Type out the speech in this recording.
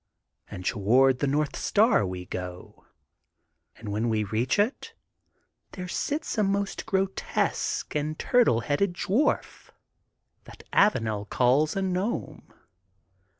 And toward the North Star we go, and when we reach it, there sits a most grotesque and turtle headed dwarf that Avanel calls a gnome.